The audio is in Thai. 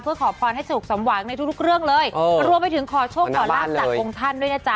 เพื่อขอพรให้สมวัยในทุกเรื่องเลยเดียจะร่วมไปถึงขอโชคกละละสักองค์ท่านด้วยนะจ๊ะ